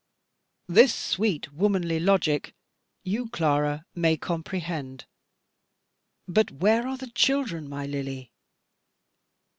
This sweet womanly logic, you, Clara, may comprehend But where are the children, my Lily?